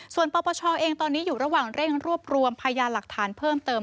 ส่วนปปเองอยู่ระหว่างรวบรวมพัยานหลักฐานเพิ่มเติม